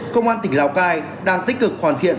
công an tỉnh lào cai đang tích cực hoàn thiện